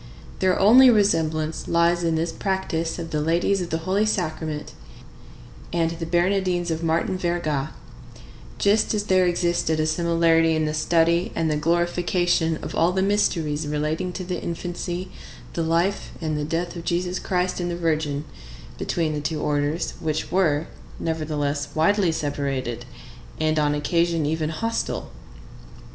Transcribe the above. Their only resemblance lies in this practice of the Ladies of the Holy Sacrament and the Bernardines of Martin Verga, just as there existed a similarity in the study and the glorification of all the mysteries relating to the infancy, the life, and death of Jesus Christ and the Virgin, between the two orders, which were, nevertheless, widely separated, and on occasion even hostile.